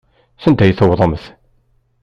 Sanda ay tewwḍemt?